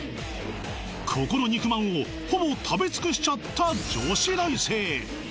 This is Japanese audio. ここの肉まんをほぼ食べつくしちゃった女子大生